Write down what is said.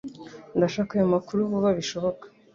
Ndashaka ayo makuru vuba bishoboka.